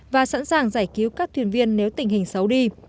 và sẵn sàng giải cứu các thuyền viên nếu tình hình xấu đi